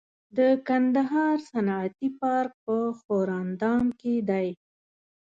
د کندهار صنعتي پارک په ښوراندام کې دی